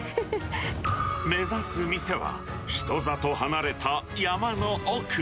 目指す店は、人里離れた山の奥。